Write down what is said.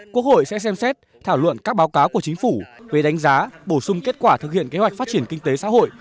quốc hội sẽ xem xét thảo luận các báo cáo của chính phủ về đánh giá bổ sung kết quả thực hiện kế hoạch phát triển kinh tế xã hội